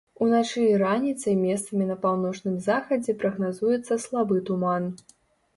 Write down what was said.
Уначы і раніцай месцамі па паўночным захадзе прагназуецца слабы туман.